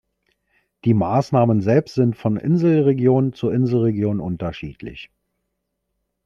Die Maßnahmen selbst sind von Inselregion zu Inselregion unterschiedlich.